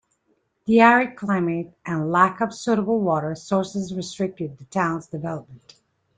The arid climate and lack of suitable water sources restricted the town's development.